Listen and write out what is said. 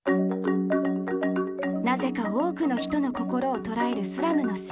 なぜか多くの人の心を捉えるスラムの姿。